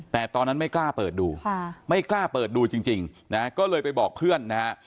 แต่ตอนนั้นไม่กล้าเปิดดูไม่กล้าเปิดดูจริงนะก็เลยไปบอกเพื่อนนะฮะ